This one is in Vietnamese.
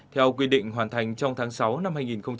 theo quy định hoàn thành trong tháng sáu năm hai nghìn hai mươi